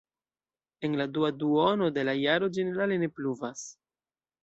En la dua duono de la jaro ĝenerale ne pluvas.